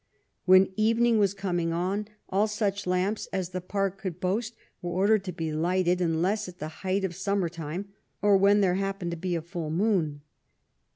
When evening was coming on all such lamps as the park could boast were ordered to be lighted, unless at the height of summer time or when there happened to be a full moon.